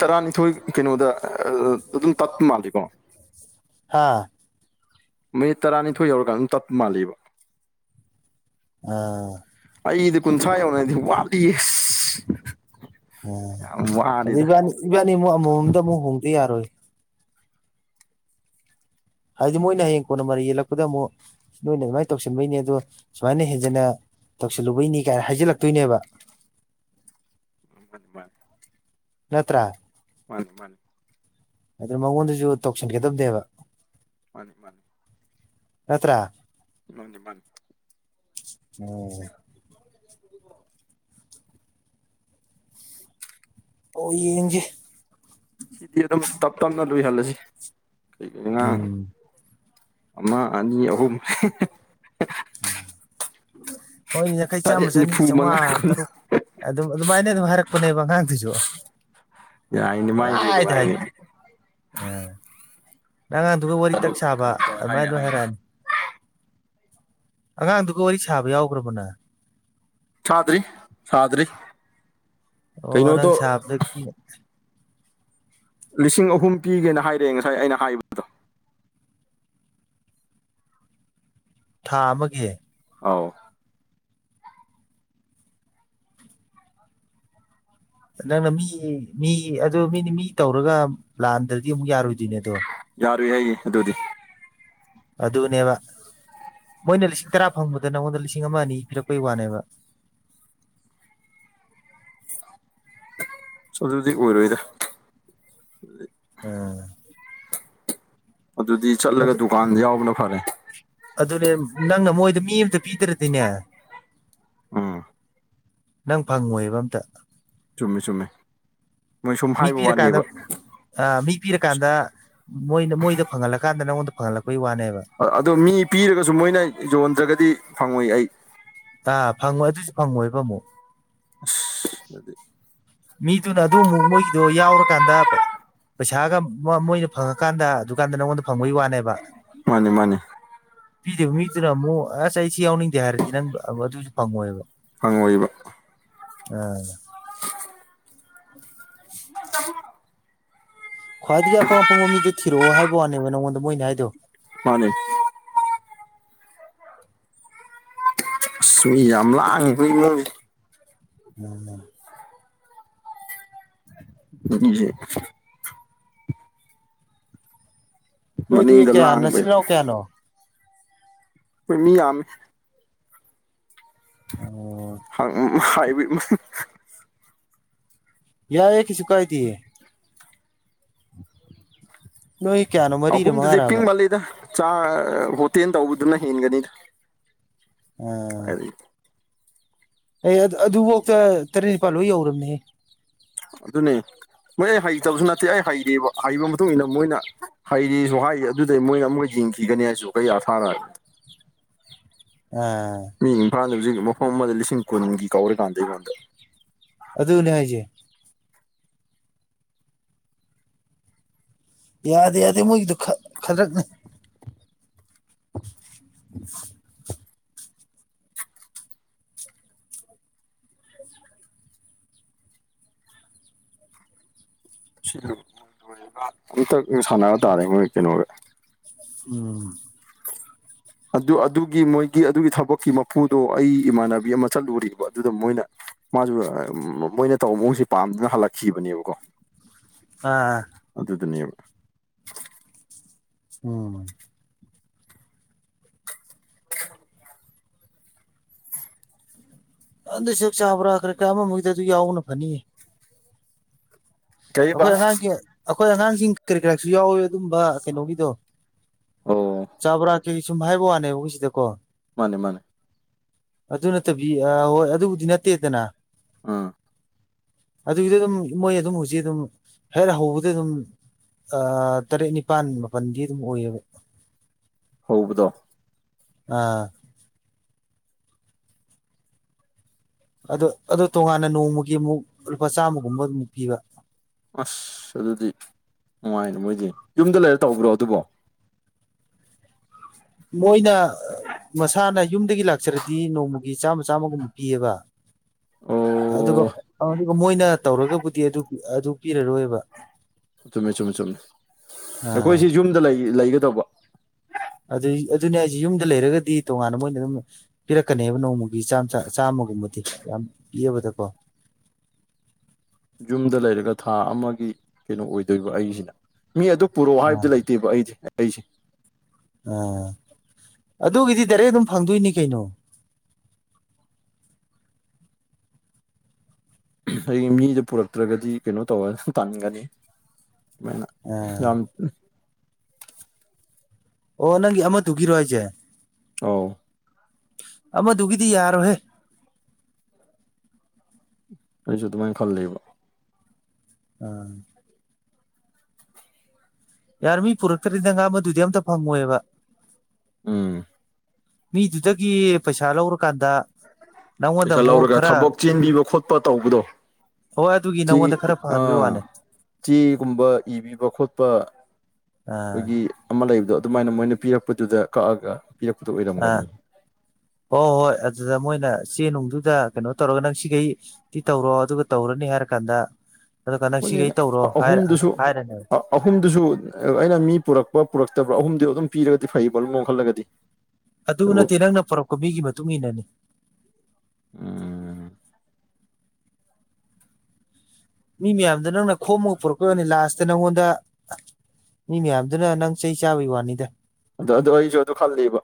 ꯇꯔꯥꯅꯤꯊꯣꯏ ꯀꯩꯅꯣꯗ ꯑꯥ ꯑꯗꯨꯝ ꯇꯠꯄ ꯃꯥꯜꯂꯤꯀꯣ ꯍꯥꯥ ꯃꯤꯅꯤꯠ ꯇꯔꯥꯅꯤꯊꯣꯏ ꯌꯧꯔꯀꯥꯟ ꯑꯗꯨꯝ ꯇꯠꯄ ꯃꯥꯜꯂꯤꯕ ꯑꯥ ꯑꯩꯗꯤ ꯀꯨꯟꯊ꯭ꯔꯥ ꯌꯧꯅꯗꯤ ꯋꯥꯠꯂꯤ ꯑꯁ ꯑ ꯌꯥꯝ ꯑꯗꯨ ꯋꯥꯔꯤꯗ ꯏꯕꯥꯅꯤ ꯏꯕꯥꯅꯤ ꯑꯃꯨꯛ ꯑꯃꯃꯝꯗ ꯑꯃꯨꯛ ꯍꯣꯡꯗ ꯌꯥꯔꯣꯏ ꯍꯥꯏꯗꯤ ꯃꯣꯏꯅ ꯍꯌꯦꯡ ꯀꯣꯟꯅ ꯃꯔꯩ ꯌꯦꯠꯂꯛꯄꯗ ꯑꯃꯨꯛ ꯅꯣꯏꯅ ꯑꯗꯨꯃꯥꯏ ꯇꯧꯁꯤꯟꯕꯩꯅꯤ ꯑꯗꯨ ꯁꯨꯃꯥꯏꯅ ꯍꯦꯟꯖꯟꯅ ꯇꯧꯁꯜꯂꯨꯕꯩꯅꯤ ꯀꯥꯏꯅ ꯍꯥꯏꯖꯤꯜꯂꯛꯇꯣꯏꯅꯦꯕ ꯃꯟꯃꯥꯟ ꯅꯠꯇ꯭ꯔꯥ ꯃꯥꯅꯤ ꯃꯥꯅꯤ ꯑꯗꯨ ꯃꯉꯣꯟꯗꯁꯨ ꯇꯧꯁꯤꯟꯒꯗꯕꯅꯦꯕ ꯃꯥꯅꯤ ꯃꯥꯅꯤ ꯅꯇ꯭ꯔꯥ ꯃꯥꯅꯤ ꯃꯥꯅꯤ ꯑꯣ ꯑꯗꯨꯕꯣ ꯑꯣ ꯌꯦꯡꯖꯦ ꯁꯤꯗꯤ ꯑꯗꯨꯝ ꯇꯞ ꯇꯞꯅ ꯂꯣꯏꯍꯜꯂꯁꯤ [unintelligible] ꯎꯝ ꯑꯃ ꯑꯅꯤ ꯑꯍꯨꯝ [unintelligible] ꯍꯣꯏꯅꯦ ꯌꯪꯈꯩ ꯆꯥꯝꯃ ꯇꯔꯦꯠ ꯆꯅꯤ ꯅꯤꯐꯨ ꯆꯧꯉꯥ ꯃꯉꯥ ꯀꯨꯟ ꯇꯔꯨꯛ ꯑꯗꯨꯝ ꯑꯗꯨꯃꯥꯏꯅ ꯑꯗꯨꯝ ꯍꯥꯏꯔꯛꯄꯅꯦꯕ ꯑꯉꯥꯡꯗꯨꯁꯨ ꯌꯥꯏꯅꯦ ꯃꯥꯏꯁꯦ ꯄꯪꯍꯥꯏꯗ ꯅꯨꯡꯉꯥꯏꯅꯦ ꯍꯥꯏꯗꯤ ꯑꯥ ꯑꯉꯥꯡꯗꯨꯒ ꯋꯥꯔꯤ ꯑꯗꯨ ꯇꯛ ꯁꯥꯕ ꯀꯩꯅꯣ ꯇꯧꯔꯦ ꯍꯥꯏꯅ ꯑꯃꯥꯏꯅ ꯂꯣꯏ ꯍꯥꯏꯅ ꯍꯥꯏꯔꯛꯑꯅꯤ ꯑꯉꯥꯡꯗꯨꯒ ꯋꯥꯔꯤ ꯁꯥꯕ ꯌꯥꯎꯈ꯭ꯔꯥꯕꯣ ꯅꯥ ꯊꯥꯗ꯭ꯔꯤ ꯁꯥꯗ꯭ꯔꯤ ꯑꯣ ꯀꯩꯅꯣꯗꯣ ꯅꯪ ꯁꯥꯕꯗꯒꯤꯗꯤ ꯂꯤꯁꯤꯡ ꯑꯍꯨꯝ ꯄꯤꯒꯦꯅ ꯍꯥꯏꯔꯛꯑꯦ ꯉꯁꯥꯏ ꯑꯩꯅ ꯍꯥꯏꯕꯗꯣ ꯊꯥ ꯑꯃꯒꯤ ꯑꯧ ꯅꯪꯅ ꯃꯤ ꯃꯤ ꯑꯗꯨ ꯃꯤꯅꯤ ꯃꯤ ꯇꯧꯔꯒ ꯂꯥꯟꯗ꯭ꯔꯗꯤ ꯑꯃꯨꯛ ꯌꯥꯔꯣꯏꯗꯨꯏꯅꯦ ꯗꯣ ꯌꯥꯔꯣꯢꯍꯩ ꯑꯗꯨꯗꯤ ꯑꯗꯨꯅꯦꯕ ꯃꯤꯅ ꯂꯤꯁꯤꯡ ꯇꯔꯥ ꯐꯪꯕꯗ ꯅꯪꯉꯣꯟꯗ ꯂꯤꯁꯤꯡ ꯑꯃ ꯑꯅꯤ ꯄꯤꯔꯛꯄꯩ ꯋꯥꯅꯦꯕ ꯑꯗꯨꯗꯤ ꯑꯣꯏꯔꯣꯏꯗ ꯑꯥ ꯑꯗꯨꯗꯤ ꯆꯠꯂꯒ ꯑꯗꯨ ꯗꯨꯀꯥꯟꯗ ꯌꯥꯎꯕꯅ ꯐꯔꯦ ꯑꯗꯨꯅꯦ ꯅꯪꯅ ꯃꯣꯏꯗ ꯃꯤ ꯑꯃꯇ ꯄꯤꯗ꯭ꯔꯗꯤꯅꯦ ꯎꯝ ꯅꯪ ꯐꯪꯉꯣꯏꯕ ꯑꯝꯇ ꯆꯨꯝꯃꯦ ꯆꯨꯝꯃꯦ ꯃꯣꯏ ꯁꯨꯝ ꯃꯤ ꯍꯥꯏꯕ ꯄꯤꯔ ꯀꯥꯟꯗ ꯋꯥꯅꯦꯕ ꯑ ꯃꯤ ꯄꯤꯔꯀꯥꯟꯗ ꯃꯣꯏꯅ ꯃꯣꯏꯗ ꯐꯪꯍꯜꯂꯀꯥꯟꯗ ꯅꯪꯉꯣꯟꯗ ꯐꯪꯍꯜꯂꯛꯄꯩ ꯋꯥꯅꯦꯕ ꯑꯗꯣ ꯃꯤ ꯄꯤꯔꯒꯁꯨ ꯃꯣꯏꯅ ꯌꯣꯟꯗ꯭ꯔꯒꯗꯤ ꯐꯪꯉꯣꯏ ꯑꯩ ꯑꯥ ꯐꯪꯉꯣꯏ ꯑꯗꯨꯁꯨ ꯐꯪꯉꯣꯏꯕ ꯑꯃꯨꯛ ꯑꯁ ꯑꯗꯤ ꯃꯤꯗꯨꯅ ꯑꯗꯨ ꯑꯃꯨꯛ ꯃꯣꯏꯒꯤꯗꯣ ꯌꯥꯎꯔꯀꯥꯟꯗ ꯄꯩꯁꯥꯒ ꯃꯥ ꯃꯣꯏꯅ ꯐꯪꯉꯀꯥꯟꯗ ꯗꯨꯀꯥꯟꯗ ꯅꯪꯉꯣꯟꯗ ꯐꯪꯕꯒꯤ ꯋꯥꯅꯦꯕ ꯃꯥꯅꯤ ꯃꯥꯅꯤ ꯄꯤꯗꯨꯏꯕ ꯃꯤꯗꯨꯅ ꯑꯃꯨꯛ ꯑꯁ ꯑꯩꯁꯤ ꯌꯥꯎꯅꯤꯡꯗꯦ ꯍꯥꯏꯔꯗꯤ ꯅꯪ ꯑꯗꯨꯏꯁꯨ ꯐꯪꯉꯣꯏꯕ ꯐꯪꯉꯣꯏꯕ ꯑꯥ [unintelligible] ꯈ꯭ꯋꯥꯏꯗꯒꯤ ꯑꯄꯪ ꯑꯄꯪꯕ ꯃꯤꯗꯣ ꯊꯤꯔꯛꯑꯣ ꯍꯥꯏꯕ ꯋꯥꯅꯦꯕ ꯅꯉꯣꯟꯗ ꯃꯣꯏꯅ ꯍꯥꯏꯗꯣ ꯃꯥꯅꯦ ꯑꯁ ꯃꯤ ꯌꯥꯝ ꯂꯥꯡꯉꯤ ꯑꯈꯣꯏ ꯏꯃꯨꯡꯁꯤ [unintelligible] ꯕꯗꯤꯖꯦ ꯅꯣꯏꯗꯤ ꯃꯅꯤꯡꯗ ꯀꯌꯥ ꯅꯆꯤꯜ ꯂꯥꯡꯕꯩ ꯅꯅꯥꯎ ꯀꯌꯥꯅꯣ ꯀꯨꯏꯃꯤ ꯌꯥꯝꯃꯦ ꯑꯣ ꯪ [unintelligible] ꯌꯥꯏ ꯀꯩꯁꯨ ꯀꯥꯏꯗꯦ [unintelligible] ꯅꯣꯏ ꯀꯌꯥꯅꯣ ꯃꯔꯤꯔ ꯑꯍꯨꯝꯗꯨꯗꯤ ꯃꯉꯥꯔꯕ ꯄꯤꯡꯃꯜꯂꯤꯗ ꯆꯥ ꯍꯣꯇꯦꯜ ꯇꯧꯕꯗꯨꯅ ꯍꯦꯟꯒꯅꯤꯗ ꯑꯣꯝ ꯀꯥꯏꯗꯒꯤ ꯑꯩ ꯑꯗꯨꯐꯥꯎꯗ ꯇꯔꯦꯠ ꯅꯤꯄꯥꯜ ꯂꯣꯏ ꯌꯧꯔꯕꯅꯦ ꯑꯗꯨ ꯑꯗꯨꯅꯦ ꯃꯣꯏ ꯑꯩ ꯍꯩꯇꯕꯁꯨ ꯅꯠꯇꯦ ꯑꯩ ꯍꯩꯕ ꯍꯩꯕ ꯃꯇꯨꯡ ꯏꯟꯅ ꯃꯣꯏꯅ ꯍꯩꯔꯤꯁꯨ ꯍꯥꯏꯔꯤ ꯑꯗꯨꯗꯩ ꯃꯣꯏꯅ ꯑꯃꯨꯛꯀ ꯌꯦꯡꯈꯤ ꯊꯤꯒꯅꯤ ꯍꯥꯏꯁꯨ ꯀꯩ ꯑꯊꯥꯅꯒꯦ ꯑ ꯃꯤ ꯏꯝꯐꯥꯜꯗ ꯍꯧꯖꯤꯛ ꯃꯐꯝ ꯑꯃꯗ ꯂꯤꯁꯤꯡ ꯀꯨꯟꯒꯤ ꯀꯧꯔꯀꯥꯟꯗ ꯑꯩꯉꯣꯟꯗ ꯑꯗꯨꯅꯦ ꯍꯥꯏꯁꯦ ꯌꯥꯗꯦ ꯌꯥꯗꯦ ꯃꯣꯏꯒꯤꯗꯨ ꯈꯗꯔꯛꯅꯦ [inaudible] ꯑꯃꯝꯇ ꯁꯥꯟꯅꯕ ꯇꯥꯔꯦ ꯃꯣꯏ ꯀꯩꯅꯣꯒ ꯎꯝ ꯑꯗꯨ ꯑꯗꯨꯒꯤ ꯃꯣꯏꯒꯤ ꯑꯗꯨꯒꯤ ꯊꯕꯛꯀꯤ ꯃꯄꯨꯗꯣ ꯑꯩ ꯏꯃꯥꯟꯅꯕꯤ ꯑꯃ ꯆꯠꯂꯨꯔꯤꯕ ꯑꯗꯨꯗ ꯃꯣꯏꯅ ꯃꯥꯁꯨ ꯃꯣꯏꯅ ꯇꯧꯕ ꯃꯑꯣꯡꯁꯦ ꯄꯥꯝꯗꯨꯅ ꯍꯜꯂꯛꯈꯤꯕꯅꯦꯕꯀꯣ ꯑꯥ ꯑꯗꯨꯗꯨꯅꯦꯕ ꯎꯝ ꯑꯗꯨꯟꯗ ꯁꯦꯛ ꯆꯥꯕ꯭ꯔꯥꯈ꯭ꯔꯦ ꯀ ꯑꯃꯃꯩꯗ ꯑꯗꯨ ꯌꯥꯎꯅ ꯐꯅꯤꯑ ꯀꯩꯕ ꯑꯩꯈꯣꯏ ꯑꯉꯥꯡꯁꯤꯡ ꯑꯩꯈꯣꯏ ꯑꯉꯥꯡꯁꯤꯡ ꯀꯔꯤ ꯀꯔꯁꯨ ꯌꯥꯎꯋꯤ ꯑꯗꯨꯝꯕ ꯀꯩꯅꯣꯒꯤꯗꯣ ꯑꯣ ꯆꯥꯕ꯭ꯔꯥ ꯀꯩ ꯁꯨꯝ ꯍꯥꯏꯕ ꯋꯥꯅꯦꯕ ꯑꯩꯈꯣꯏ ꯁꯤꯗꯀꯣ ꯃꯥꯅꯦ ꯃꯥꯅꯦ ꯑꯗꯨ ꯅꯠꯇꯕꯤ ꯑ ꯍꯣꯏ ꯑꯗꯨꯕꯨꯗꯤ ꯅꯠꯇꯦꯗꯅ ꯑꯥ ꯑꯗꯨꯒꯤꯗ ꯑꯗꯨꯝ ꯃꯣꯏ ꯑꯗꯨꯝ ꯍꯧꯖꯤꯛ ꯑꯗꯨꯝ ꯍꯦꯛ ꯍꯧꯕꯗ ꯑꯗꯨꯝ ꯇꯔꯦꯠ ꯅꯤꯄꯥꯜ ꯃꯥꯄꯜꯗꯤ ꯑꯗꯨꯝ ꯑꯣꯏꯌꯦꯕ ꯍꯗꯣ ꯑꯥ ꯑꯗꯣ ꯑꯗꯣ ꯇꯣꯉꯥꯟꯅ ꯅꯣꯡꯃꯒꯤ ꯑꯃꯨꯛ ꯂꯨꯄꯥ ꯆꯥꯝꯃꯒꯨꯝꯕ ꯑꯃꯨꯛ ꯄꯤꯕ ꯑꯁ ꯑꯗꯨꯗꯤ ꯅꯨꯡꯉꯥꯏꯅꯦ ꯃꯣꯏꯗꯤ ꯌꯨꯝꯗ ꯂꯩꯔ ꯇꯧꯕ꯭ꯔꯣ ꯑꯗꯨꯕꯣ ꯃꯣꯏꯅ ꯃꯁꯥꯅ ꯌꯨꯝꯗꯒꯤ ꯂꯥꯛꯆꯔꯗꯤ ꯅꯣꯡꯃꯒꯤ ꯆꯥꯝꯃ ꯆꯥꯝꯃꯒꯨꯝꯕ ꯄꯤꯑꯕ ꯑꯗꯨꯒ ꯑꯣ ꯑꯗꯨꯒ ꯃꯣꯏꯅ ꯇꯧꯔꯒꯕꯨꯗꯤ ꯑꯗꯨ ꯑꯗꯨ ꯄꯤꯔꯔꯣꯏꯕ ꯆꯨꯝꯃꯦ ꯆꯨꯝꯃꯦ ꯆꯨꯝꯃꯦ ꯑꯥ ꯑꯩꯈꯣꯏꯁꯤ ꯌꯨꯝꯗ ꯂꯩꯒꯗꯧꯕ ꯑꯗꯨ ꯑꯗꯨꯅꯦ ꯑꯩꯁꯦ ꯌꯨꯝꯗ ꯂꯩꯔꯒꯗꯤ ꯇꯣꯉꯥꯟꯅ ꯃꯣꯏꯅ ꯑꯗꯨꯝ ꯄꯤꯔꯛꯀꯅꯦꯕ ꯅꯣꯡꯃꯒꯤ ꯆꯥꯝꯃꯒꯨꯝꯕꯗꯤ ꯌꯥꯝ ꯄꯤꯕꯗꯀꯣ ꯌꯨꯝꯗ ꯂꯩꯔꯒ ꯊꯥ ꯑꯃꯒꯤ ꯀꯩꯅꯣ ꯑꯣꯏꯗꯣꯏꯕ ꯑꯩꯁꯤꯅ ꯃꯤ ꯑꯗꯨ ꯄꯨꯔꯛꯑꯣ ꯑꯥ ꯍꯥꯏꯕꯗꯤ ꯂꯩꯇꯦ ꯅꯠꯇꯦꯕ ꯑꯩꯁꯦ ꯑꯩꯁꯦ ꯑꯥ ꯑꯗꯨꯒꯤꯗꯤ ꯗꯥꯏꯔꯦꯛ ꯑꯗꯨꯝ ꯐꯪꯗꯣꯏꯅꯤ ꯀꯩꯅꯣ ꯑꯩ ꯃꯤꯁꯦ ꯄꯨꯔꯛꯇ꯭ꯔꯒꯗꯤ ꯀꯩꯅꯣ ꯇꯧꯔ ꯇꯥꯟꯟꯒꯅꯤ ꯁꯨꯃꯥꯏꯅ ꯑ ꯑꯣ ꯅꯪꯒꯤ ꯑꯃ ꯇꯨꯈꯤꯔꯣ ꯍꯥꯏꯁꯦ ꯑꯣꯧ ꯑꯃꯗꯨꯒꯤꯗꯤ ꯌꯥꯔꯣꯍꯦ ꯑꯩꯁꯨ ꯑꯗꯨꯃꯥꯏꯅ ꯈꯜꯂꯤꯕ ꯎꯝ ꯌꯥꯔ ꯃꯤ ꯄꯨꯔꯛꯇ꯭ꯔꯗꯤꯗ ꯉꯥ ꯃꯗꯨꯗꯤ ꯑꯝꯇ ꯐꯪꯉꯣꯏꯑꯕ ꯎꯝ ꯃꯤꯗꯨꯗꯒꯤ ꯄꯩꯁꯥ ꯂꯧꯔꯀꯥꯟꯗ ꯅꯪꯉꯣꯟꯗ ꯄꯩꯁꯥ ꯑꯃꯨꯛ ꯂꯧꯔꯒ ꯈꯔ ꯊꯕꯛ ꯆꯦꯟꯕꯤꯕ ꯈꯣꯠꯄ ꯇꯧꯕꯗꯣ ꯍꯣꯏ ꯑꯗꯨꯒꯤ ꯆ ꯅꯪꯉꯣꯟꯗ ꯈꯔ ꯐꯪꯍꯟꯕꯩ ꯑꯥ ꯋꯥꯅꯦ [inaudible] ꯆꯦꯒꯨꯝꯕ ꯏꯕꯤꯕ ꯈꯣꯠꯄ ꯑꯥ ꯑꯩꯈꯣꯏꯒꯤ ꯑꯃ ꯂꯩꯕꯗꯣ ꯑꯗꯨꯃꯥꯏꯅ ꯃꯣꯏꯅ ꯄꯤꯔꯛꯄꯗꯨꯗ ꯀꯛꯑꯒ ꯄꯤꯔꯛꯄꯗ ꯑꯥ ꯑꯣꯏꯔꯝꯒꯅꯤ ꯍꯣꯏ ꯍꯣꯏ ꯍꯣꯏ ꯑꯗꯨꯗ ꯃꯣꯏꯅ ꯆꯦ ꯅꯨꯡꯗꯨꯗ ꯀꯩꯅꯣ ꯇꯧꯔꯒ ꯅꯪ ꯁꯤꯈꯩ ꯁꯤ ꯇꯧꯔꯣ ꯑꯗꯨꯒ ꯇꯧꯔꯅꯤ ꯍꯥꯏꯔꯀꯥꯟꯗ ꯑꯗꯨꯒ ꯅꯪ ꯁꯤꯈꯩ ꯍꯣꯏꯅꯦ ꯇꯧꯔꯣ ꯍꯥꯏꯔ ꯑꯍꯨꯝꯗꯨꯁꯨ ꯍꯥꯏꯔꯅꯤ ꯑ- ꯑꯍꯨꯝꯗꯨꯁꯨ ꯑꯩꯅ ꯃꯤ ꯄꯨꯔꯛꯄ ꯄꯨꯔꯛꯇꯕ꯭ꯔꯥ ꯑꯍꯨꯝꯗꯨ ꯑꯗꯨꯝ ꯄꯤꯔꯒꯗꯤ ꯐꯩꯕ ꯑꯍꯨꯝꯃꯨꯛ ꯈꯜꯂꯒꯗꯤ ꯑꯗꯨ ꯑꯗꯨꯕꯨ ꯅꯠꯇꯦ ꯅꯪꯅ ꯄꯔꯛꯄ ꯃꯤꯒꯤ ꯃꯇꯨꯡ ꯏꯟꯅꯅꯤ ꯎꯝ ꯃꯤ ꯃꯌꯥꯝꯗꯣ ꯅꯪꯅ ꯈꯣꯝꯃꯒ ꯄꯨꯔꯛꯀꯕꯅꯤ ꯂꯥꯁꯇ ꯅꯪꯉꯣꯟꯗ ꯃꯤ ꯃꯌꯥꯝꯗꯨꯅ ꯅꯪ ꯆꯩ ꯆꯥꯕꯒꯤ ꯋꯥꯅꯤꯗ ꯑꯗꯣ ꯑꯗꯣ ꯑꯩꯁꯨ ꯑꯗꯨ ꯈꯜꯂꯤꯕ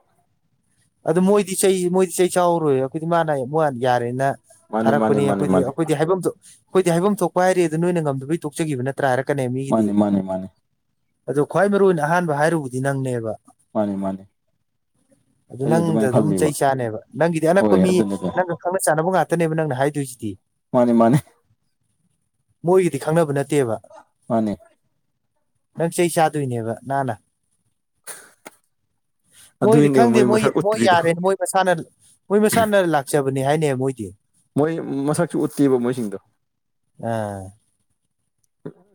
ꯑꯗꯨ ꯃꯣꯏꯗꯤ ꯆꯩ ꯃꯣꯏꯗꯤ ꯆꯩ ꯆꯥꯎꯔꯣꯏ ꯑꯩꯈꯣꯏꯗꯤ ꯃꯥꯅ ꯃ ꯌꯥꯔꯦꯅ ꯃꯥꯅꯤ ꯃꯥꯅꯤ ꯊꯥꯔꯛꯄꯅꯤ ꯃꯥꯅꯤ ꯑꯩꯈꯣꯏꯗꯤ ꯃꯥꯅꯤ ꯑꯩꯈꯣꯏ ꯍꯥꯏꯐꯝ ꯊꯣꯛ ꯑꯩꯈꯣꯏꯗꯤ ꯍꯥꯏꯐꯝ ꯊꯣꯛꯄ ꯍꯥꯏꯔꯦ ꯑꯗꯨ ꯅꯣꯏꯅ ꯉꯝꯗꯕꯒꯤ ꯇꯣꯛꯆꯈꯤꯕ ꯅꯠꯇ ꯇ꯭ꯔꯥ ꯍꯥꯏꯔꯛꯀꯅꯦ ꯃꯤꯒꯤꯗꯤ ꯃꯥꯅꯤ ꯃꯥꯅꯤ ꯃꯥꯅꯤ ꯑꯗꯣ ꯈ꯭ꯋꯥꯏ ꯃꯔꯨ ꯑꯣꯏꯅ ꯑꯍꯥꯟꯕ ꯍꯥꯏꯔꯨꯕꯗꯤ ꯅꯪꯅꯦꯕ ꯃꯥꯅꯦ ꯃꯥꯅꯦ ꯅꯪꯗ ꯑꯗꯨꯝ ꯆꯩ ꯆꯥꯅꯦꯕ ꯅꯪꯒꯤꯗꯤ ꯑꯅꯛꯄ ꯍꯣꯏ ꯃꯤ ꯑꯗꯨꯅꯤꯗ ꯅꯪꯒ ꯈꯪꯅ ꯆꯥꯟꯅꯕ ꯉꯥꯛꯇꯅꯦꯕ ꯅꯪꯅ ꯍꯥꯏꯗꯣꯏꯁꯤꯗꯤ ꯃꯥꯅꯦ ꯃꯥꯅꯦ ꯃꯣꯏꯒꯤꯗꯤ ꯈꯪꯅꯕ ꯅꯠꯇꯦꯕ ꯃꯥꯅꯦ ꯅꯪ ꯆꯩ ꯆꯥꯗꯣꯏꯅꯦꯕ ꯃꯅꯥ ꯃꯣꯏꯗꯤ ꯑꯗꯨꯏꯅꯦꯕ ꯈꯪꯗꯦ ꯃꯣꯏ ꯃꯁꯛ ꯃꯣꯏ ꯎꯠꯇ꯭ꯔꯤꯗꯣ ꯌꯥꯔꯦ ꯃꯣꯏ ꯃꯁꯥꯅ ꯃꯣꯏ ꯃꯁꯥꯅ ꯂꯥꯛꯆꯕꯅꯤ ꯍꯥꯏꯅꯦ ꯃꯣꯏꯗꯤ ꯃꯣꯏ ꯃꯁꯛꯁꯨ ꯎꯠꯇꯦꯕ ꯃꯣꯏꯁꯤꯡꯗꯣ ꯑꯥ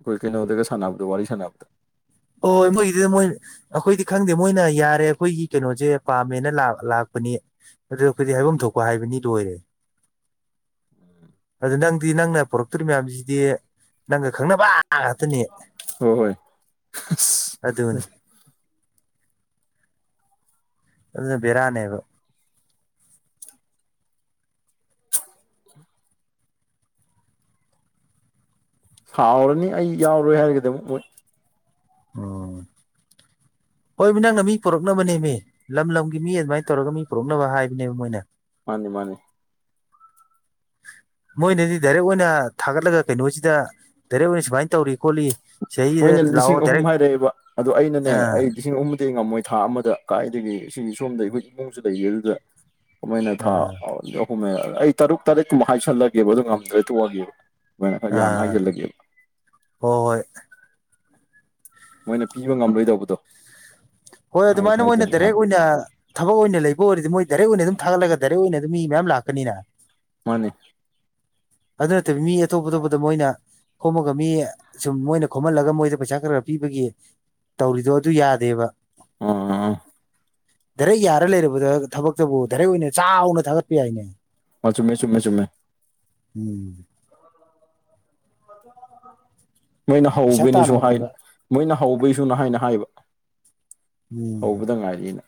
ꯈꯣꯏ ꯀꯩꯅꯣꯗꯒ ꯁꯥꯟꯅꯕꯗꯣ ꯋꯥ ꯋꯥꯔꯤ ꯁꯥꯟꯅꯕꯗꯣ ꯑꯣ ꯃꯣꯏꯗꯣ ꯃꯣꯏ ꯑꯩꯈꯣꯏꯗꯤ ꯈꯪꯗꯦ ꯃꯣꯏꯅ ꯌꯥꯔꯦ ꯑꯩꯈꯣꯏꯒꯤ ꯀꯩꯅꯣꯁꯦ ꯄꯥꯝꯃꯦꯅ ꯂꯥꯛꯄꯅꯤ ꯑꯗꯨ ꯑꯩꯈꯣꯏꯗꯤ ꯍꯥꯏꯐꯝ ꯊꯣꯛꯄ ꯍꯥꯏꯕꯅꯤ ꯂꯣꯏꯔꯦ [unintelligible] ꯑꯗꯨ ꯅꯪꯗꯤ ꯅꯪꯅ ꯄꯨꯔꯛꯇꯣꯔꯤꯕ ꯃꯌꯥꯝꯁꯤꯗꯤ ꯅꯪꯒ ꯈꯪꯅꯕ ꯉꯥꯛꯇꯅꯤ ꯍ ꯍꯣꯏ ꯑꯁ ꯑꯗꯨꯅꯤ ꯑꯗꯨꯅ ꯕꯦꯔꯅꯦꯕ ꯍꯥꯎꯔꯅꯤ ꯑꯩ ꯌꯥꯎꯔꯣꯏ ꯍꯥꯏꯔꯒꯗꯤ ꯑꯃꯨꯛ ꯃꯣꯏ [unintelligible] ꯍꯣꯏꯃꯦ ꯅꯪꯅ ꯃꯤ ꯄꯨꯔꯛꯅꯕꯅꯦꯃꯦ ꯂꯝ ꯂꯝꯒꯤ ꯃꯤ ꯑꯗꯨꯃꯥꯏꯅ ꯇꯧꯔꯒ ꯃꯤ ꯄꯨꯔꯛꯅꯕ ꯍꯥꯏꯕꯅꯦꯕ ꯃꯣꯏꯅ ꯃꯥꯅꯦ ꯃꯥꯅꯦ ꯃꯣꯏꯅꯗꯤ ꯗꯥꯏꯔꯦꯛ ꯑꯣꯏꯅ ꯊꯥꯒꯠꯂꯒ ꯀꯩꯅꯣꯁꯤꯗ ꯗꯥꯏꯔꯦꯛ ꯑꯣꯏꯅ ꯁꯨꯃꯥꯏꯅ ꯇꯧꯔꯤ ꯈꯣꯠꯂꯤ ꯁꯤꯗꯩꯁꯤꯗ ꯃꯣꯏꯅ ꯂꯥꯛꯑꯣ ꯂꯤꯁꯤꯡ ꯗꯥꯏꯔꯦꯛ ꯑꯍꯨꯝ ꯍꯥꯏꯔꯛꯑꯦꯕ ꯑꯗꯣ ꯑꯩꯅꯅꯦ ꯑꯥ ꯑꯩ ꯂꯤꯁꯤꯡ ꯑꯍꯨꯝꯗꯤ ꯉꯝꯃꯣꯏ ꯊꯥ ꯑꯃꯗ ꯀꯥꯏꯗꯒꯤ ꯁꯤꯒꯤ ꯁꯣꯝꯗ ꯑꯩꯈꯣꯏ ꯏꯃꯨꯡꯁꯨ ꯂꯩꯔꯤ ꯑꯗꯨꯗ ꯀꯃꯥꯏꯅ ꯊꯥ ꯑꯥ ꯑꯍꯨꯝ ꯑꯩ ꯇꯔꯨꯛ ꯇꯔꯦꯠꯀꯨꯝꯕ ꯍꯥꯏꯁꯜꯂꯒꯦꯕ ꯑꯗꯨ ꯉꯝꯗ꯭ꯔꯦ ꯇꯣꯛꯑꯒꯦꯕ ꯑꯗꯨꯃꯥꯢꯅ ꯍꯣꯏ ꯌꯥꯝ ꯑꯥ ꯍꯥꯏꯁꯤꯜꯂꯒꯦꯕ ꯍꯣꯏ ꯍꯣꯏ ꯃꯣꯏꯅ ꯄꯤꯕ ꯉꯝꯂꯣꯏꯗꯧꯕꯗꯣ ꯍꯣꯏ ꯍꯥꯏ ꯑꯗꯨꯃꯥꯏꯅ ꯃꯣꯏꯅ ꯍꯥꯏꯖꯟ ꯗꯥꯏꯔꯦꯛ ꯍꯥꯟꯅ ꯑꯣꯏꯅ ꯊꯕꯛ ꯑꯣꯏꯅ ꯂꯩꯕ ꯑꯣꯏꯔꯗꯤ ꯃꯣꯏ ꯗꯥꯏꯔꯦꯛ ꯑꯣꯏꯅ ꯑꯗꯨꯝ ꯊꯥꯒꯠꯂꯒ ꯗꯥꯏꯔꯦꯛ ꯑꯣꯏꯅ ꯑꯗꯨꯝ ꯑꯗꯨ ꯃꯤ ꯃꯌꯥꯝ ꯂꯥꯛꯀꯅꯤꯅ ꯃꯥꯅꯦ ꯑꯗꯨ ꯅꯠꯇꯕ ꯃꯤ ꯑꯇꯣꯞ ꯑꯇꯣꯞꯄꯗ ꯃꯣꯏꯅ ꯈꯣꯝꯃꯒ ꯃꯤ ꯁꯨꯝ ꯃꯣꯏꯅ ꯈꯣꯝꯍꯜꯂꯒ ꯃꯣꯏꯗ ꯄꯩꯁꯥ ꯈꯔ ꯈꯔ ꯄꯤꯕꯒꯤ ꯇꯧꯔꯤꯗꯣ ꯑꯗꯨ ꯌꯥꯗꯦꯕ ꯑꯣ ꯗꯥꯔꯦꯛ ꯌꯥꯔ ꯂꯩꯔꯕꯗ ꯊꯕꯛꯇꯕꯨ ꯙꯔꯦꯛ ꯑꯣꯏꯅ ꯆꯥꯎꯅ ꯊꯥꯒꯠꯄ ꯌꯥꯏꯅꯦ ꯃꯥ ꯆꯨꯝꯃꯦ ꯆꯨꯝꯃꯦ ꯆꯨꯝꯃꯦ ꯎꯝ ꯃꯣꯏꯅ ꯄꯩꯁꯥ ꯍꯕꯅꯤꯁꯨꯍꯥꯏ ꯇꯥꯟꯕꯅꯦꯕ ꯃꯣꯏꯅ ꯍꯧꯕꯩꯁꯨꯅ ꯍꯥꯏꯅ ꯍꯥꯏꯕ ꯎꯝ ꯍꯧꯕꯗ ꯉꯥꯏꯔꯤꯩꯅ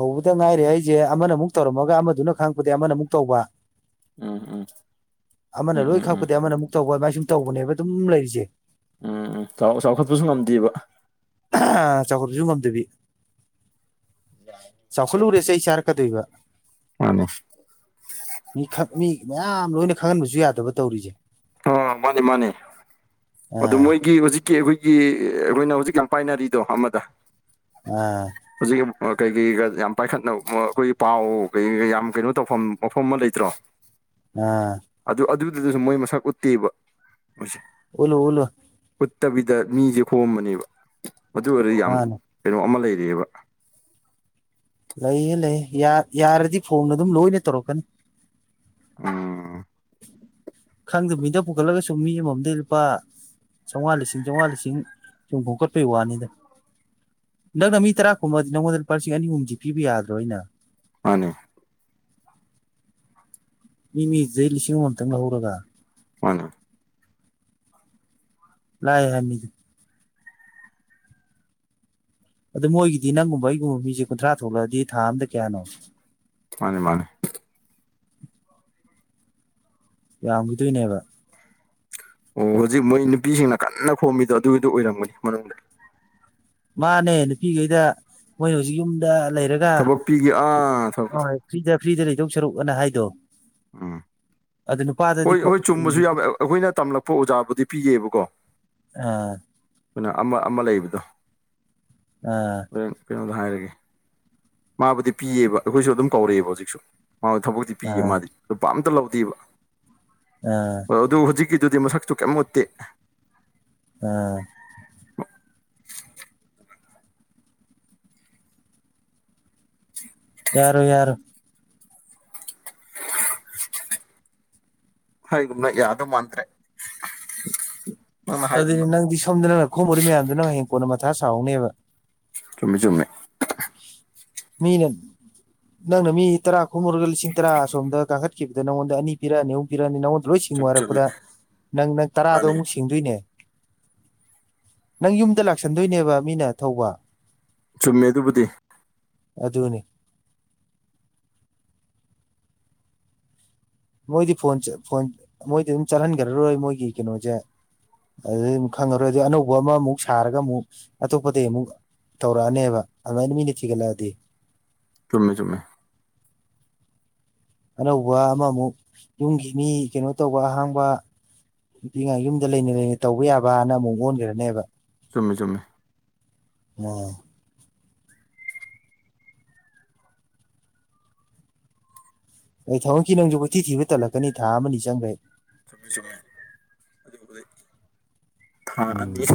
ꯍꯧꯕꯗ ꯉꯥꯏꯔꯦ ꯑꯩꯁꯦ ꯑꯃꯅ ꯑꯃꯨꯛ ꯇꯧꯔꯝꯃꯒ ꯑꯃꯗꯨꯅ ꯈꯪꯉꯛꯄꯗꯒꯤ ꯑꯃꯅ ꯑꯃꯨꯛ ꯇꯧꯕ ꯎꯝ ꯎꯝ ꯑꯃꯅ ꯎꯝ ꯂꯣꯏ ꯎꯝ ꯎꯝ ꯈꯛꯄꯗꯤ ꯑꯃꯅ ꯑꯃꯨꯛ ꯇꯧꯕ ꯑꯗꯨꯃꯥꯏ ꯁꯨꯝ ꯇꯧꯕꯅꯦꯕ ꯑꯗꯨꯝ ꯂꯩꯔꯤꯁꯦ ꯎꯝ ꯎꯝ ꯆꯥꯎꯈꯠꯄꯁꯨ ꯉꯝꯗꯦꯕ ꯑ ꯆꯀ꯭ꯔꯁꯨ ꯉꯗꯦꯕꯤ ꯆꯥꯎꯈꯠꯂꯨꯔꯦꯁꯦ ꯑꯩ ꯆꯥꯔꯛꯀꯗꯣꯏꯕ ꯃꯥꯅꯦ ꯃꯤ ꯃꯤ ꯃꯌꯥꯝ ꯂꯣꯏꯅ ꯈꯪꯍꯟꯕꯁꯨ ꯌꯥꯗꯕ ꯇꯧꯔꯤꯁꯦ ꯑ ꯃꯥꯅꯦ ꯃꯥꯅꯦ ꯑꯗꯨ ꯑꯥ ꯃꯣꯏꯒꯤ ꯍꯧꯖꯤꯛ ꯑꯩꯈꯣꯏꯒꯤ ꯑꯩꯈꯣꯏꯅ ꯍꯧꯖꯤꯛ ꯌꯥꯝ ꯄꯥꯏꯅꯔꯤꯗꯣ ꯑꯃꯗ ꯎꯝ ꯍꯧꯖꯤꯛꯀꯤ ꯀꯩꯀꯩꯒ ꯌꯥꯝ ꯄꯥꯏꯈꯠꯅꯕ ꯑꯩꯈꯣꯏꯒꯤ ꯄꯥꯎ ꯀꯩꯩꯒ ꯌꯥꯝ ꯀꯩꯅꯣ ꯇꯧꯐꯝ ꯃꯐꯝ ꯑꯃ ꯂꯩꯇ꯭ꯔꯣ [inaudible] ꯎꯝ ꯑꯗꯨ ꯑꯗꯨꯗꯨꯗꯁꯨ ꯃꯣꯏ ꯃꯁꯛ ꯎꯠꯇꯦꯕ ꯃꯣꯏꯁꯦ ꯎꯂꯨ ꯎꯂꯨ ꯎꯠꯇꯕꯤꯗ ꯃꯤꯁꯦ ꯍꯣꯝꯕꯅꯦꯕ ꯑꯗꯨ ꯑꯣꯏꯔꯗꯤ ꯌꯥꯝ ꯃꯥꯅꯦ ꯀꯩꯅꯣ ꯑꯃ ꯂꯩꯔꯛꯑꯦꯕ ꯂꯩꯌꯦ ꯂꯩꯌꯦ ꯌꯥꯔꯗꯤ ꯐꯣꯟ ꯑꯗꯨꯝ ꯂꯣꯏꯅ ꯇꯧꯔꯛꯀꯅꯤ ꯎꯝ ꯈꯪꯗꯕ ꯃꯤꯗ ꯄꯨꯈꯠꯂꯒꯁꯨ ꯃꯤ ꯑꯃꯃꯝꯗꯩ ꯂꯨꯄꯥ ꯆꯥꯝꯃꯉꯥ ꯂꯤ ꯆꯝꯃꯉꯥ ꯂꯤꯁꯤꯡ ꯁꯨꯝ ꯈꯣꯀꯠꯄꯩ ꯋꯥꯅꯤꯗ ꯅꯪꯅ ꯃꯤ ꯇꯔꯥ ꯀꯨꯝꯕꯗꯤ ꯅꯉꯣꯟꯗ ꯂꯨꯄꯥ ꯂꯤꯁꯤꯡ ꯑꯅꯤ ꯑꯍꯨꯝꯕꯗꯤ ꯄꯤꯕ ꯌꯥꯗ꯭ꯔꯣ ꯑꯩꯅ ꯃꯥꯅꯦ ꯃꯤ ꯃꯤꯁ ꯂꯤꯁꯤꯡ ꯑꯃꯇꯪ ꯍꯧꯔꯒ ꯃꯥꯅ ꯂꯩ ꯍꯥꯏꯅꯤ ꯑꯗꯨꯗ ꯃꯣꯏꯒꯤꯗꯤ ꯅꯪꯒꯨꯝꯕ ꯑꯩꯒꯨꯝꯕ ꯃꯤꯁꯦ ꯀꯨꯟꯊ꯭ꯔꯥ ꯊꯣꯛꯂꯛꯑꯗꯤ ꯊꯥ ꯑꯝꯗ ꯀꯌꯥꯅꯣ ꯃꯥꯅꯦ ꯃꯥꯅꯦ ꯌꯥꯝꯈꯤꯗꯣꯏꯅꯦꯕ ꯑꯣ ꯍꯧꯖꯤꯛ ꯃꯣꯏ ꯅꯨꯄꯤꯁꯤꯡꯅ ꯀꯟꯅ ꯈꯣꯝꯃꯤꯗꯣ ꯑꯗꯨꯒꯤꯗꯨꯣ ꯑꯣꯏꯔꯝꯒꯅꯤ ꯃꯅꯨꯡꯗ ꯃꯥꯅꯦ ꯅꯨꯄꯤꯈꯩꯗ ꯃꯣꯏꯅ ꯍꯧꯖꯤꯛ ꯌꯨꯝꯗ ꯂꯩꯔꯒ ꯊꯕꯛ ꯄꯤꯒꯦ ꯑꯥ ꯊꯕꯛ ꯍꯣꯏ ꯐ꯭ꯔꯤꯗ ꯐ꯭ꯔꯤꯗ ꯂꯩꯊꯧ ꯁꯔꯨꯛ ꯑꯅ ꯍꯥꯏꯗꯣ ꯑꯥ ꯑꯗꯨꯅ ꯍꯣꯏ ꯑꯩꯈꯣꯏ ꯆꯨꯝꯕꯁꯨ ꯌꯥ ꯑꯩꯈꯣꯏꯅ ꯇꯝꯂꯛꯄ ꯑꯣꯖꯥꯕꯨꯗꯤ ꯄꯤꯌꯦꯕꯀꯣ ꯑꯥ ꯑꯩꯈꯣꯏꯅ ꯑꯃ ꯑꯃ ꯂꯩꯕꯗꯣ ꯑꯥ ꯄ ꯀꯩꯅꯣꯗ ꯍꯥꯏꯔꯒꯦ ꯃꯥꯕꯨꯗꯤ ꯄꯤꯌꯦꯕ ꯑꯩꯈꯣꯏꯁꯨ ꯑꯗꯨꯝ ꯀꯧꯔꯛꯑꯦꯕ ꯍꯧꯖꯤꯛꯁꯨ ꯃꯥ ꯊꯕꯛꯇꯤ ꯄꯤꯌꯦꯦ ꯑꯥ ꯃꯥꯗꯤ ꯑꯗꯨ ꯄꯥꯝꯇ ꯂꯧꯗꯦꯕ ꯑꯥ ꯑꯗꯨ ꯍꯧꯖꯤꯛꯀꯤꯗꯨꯗꯤ ꯃꯁꯛꯁꯨ ꯀꯩꯝ ꯃꯨꯠꯇꯦ ꯎꯝ ꯌꯥꯔ ꯌꯥꯔ ꯍꯥꯏꯅ ꯌꯥꯎꯗꯣ ꯃꯥꯇ꯭ꯔꯦ ꯑꯗꯨꯗꯤ ꯅꯪꯗꯤ ꯁꯣꯝꯗ ꯅꯪꯅ ꯈꯣꯝꯃꯨꯔꯤ ꯃꯌꯥꯝꯗꯨ ꯅꯪ ꯍꯌꯦꯡ ꯀꯣꯟꯅ ꯃꯊꯥ ꯁꯥꯎꯍꯧꯅꯦꯕ ꯆꯨꯝꯃꯦ ꯆꯨꯝꯃꯦꯩ ꯃꯤꯅꯦ ꯅꯪꯅ ꯃꯤ ꯇꯔꯥ ꯈꯨꯝꯃꯨꯔꯒ ꯂꯤꯁꯤꯡ ꯇꯔꯥ ꯑꯁꯣꯝꯗ ꯀꯥꯈꯠꯈꯤꯕꯗ ꯅꯪꯉꯣꯟꯗ ꯑꯅꯤ ꯄꯤꯔꯛꯑꯅꯤ ꯑꯃꯨꯛ ꯄꯤꯔꯛꯑꯅꯤ ꯅꯪꯉꯣꯟꯗ ꯂꯣꯏ ꯁꯤꯡꯉꯨ ꯆꯨꯝ ꯆꯨꯝꯃꯦ ꯍꯥꯏꯔꯛꯄꯗ ꯅꯪ ꯅꯪ ꯇꯔꯥꯗꯣ ꯃꯥꯅꯦ ꯑꯃꯨꯛ ꯁꯤꯡꯗꯣꯏꯅꯦ ꯅꯪ ꯌꯨꯝꯗ ꯂꯥꯛꯁꯟꯗꯣꯏꯅꯦꯕ ꯃꯤꯅ ꯊꯧꯕ ꯆꯨꯝꯃꯦ ꯑꯗꯨꯕꯨꯗꯤ ꯑ ꯑꯗꯨꯕꯨꯅꯤ ꯃꯣꯏꯗꯤ ꯐꯣꯟ ꯐꯣꯟ ꯃꯣꯏꯗꯤ ꯑꯗꯨꯝ ꯆꯠꯍꯟꯈ꯭ꯔꯔꯣꯏ ꯃꯣꯏꯒꯤ ꯀꯩꯅꯣꯁꯦ ꯑꯗꯨꯩ ꯈꯪꯉꯔꯣꯏ ꯑꯗꯨ ꯑꯅꯧꯕ ꯑꯃꯃꯨꯛ ꯁꯥꯔꯒ ꯑꯃꯨꯛ ꯑꯇꯣꯞꯄꯇꯩ ꯑꯃꯨꯛ ꯇꯧꯔꯛꯑꯅꯦꯕ ꯑꯗꯨꯃꯥꯏꯅ ꯃꯤꯅ ꯊꯤꯒꯠꯂꯛꯑꯗꯤ ꯆꯨꯝꯃꯦ ꯆꯨꯝꯃꯦ ꯑꯅꯧꯕ ꯑꯃꯃꯨꯛ ꯌꯨꯝꯒꯤ ꯃꯤ ꯀꯩꯅꯣ ꯇꯧꯕ ꯑꯍꯥꯡꯕ ꯅꯨꯡꯇꯤꯥ ꯌꯨꯝꯗ ꯂꯩꯅ ꯂꯩꯅ ꯇꯧꯕ ꯌꯥꯕꯅ ꯑꯃꯨꯛ ꯑꯣꯟꯈꯔꯅꯦꯕ ꯆꯨꯝꯃꯦ ꯆꯨꯝꯃꯦ ꯑꯣ ꯑꯩ ꯊꯝꯃꯛꯈꯤ ꯅꯪꯁꯨꯕꯨꯊꯤ ꯊꯤꯕ ꯇꯠꯂꯛꯀꯅꯤ ꯊꯥ ꯑꯃꯅꯤ ꯆꯪꯈ꯭ꯔꯦ ꯆꯨꯝꯃꯦ ꯆꯨꯝꯃꯦ ꯑꯗꯨꯗꯤ ꯊꯥ ꯑꯅꯤ ꯎꯝ